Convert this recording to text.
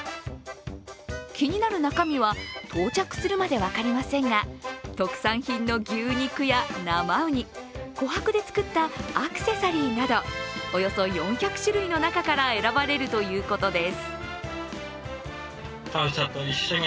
気になる中身は、到着するまで分かりませんが特産品の牛肉や生うに、こはくで作ったアクセサリーなどおよそ４００種類の中から選ばれるということです。